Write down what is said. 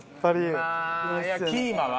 キーマは？